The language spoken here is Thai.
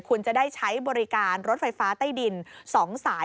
คุณจะได้ใช้บริการรถไฟฟ้าใต้ดิน๒สาย